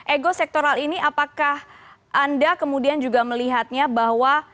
ego sektoral ini apakah anda kemudian juga melihatnya bahwa